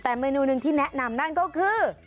แต่เมนูหนึ่งที่แนะนำนั่นก็คือ